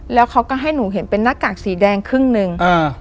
แล้วเขาก็ให้หนูเห็นเป็นหน้ากากสีแดงครึ่งหนึ่งอ่า